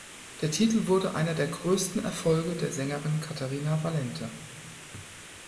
Der Titel wurde einer der größten Erfolge der Sängerin Caterina Valente.